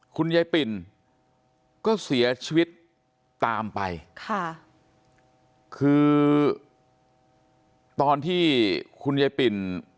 คุณยายปิ่นก็เสียชีวิตตามไปค่ะคือตอนที่คุณยายปิ่น